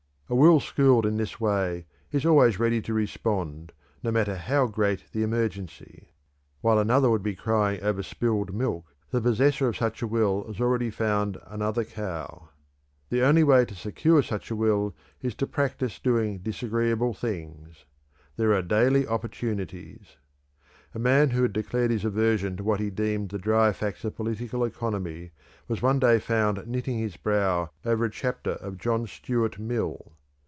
A will schooled in this way is always ready to respond, no matter how great the emergency. While another would be crying over spilled milk, the possessor of such a will has already found another cow. The only way to secure such a will is to practice doing disagreeable things. There are daily opportunities. A man who had declared his aversion to what he deemed the dry facts of political economy was one day found knitting his brow over a chapter of John Stuart Mill.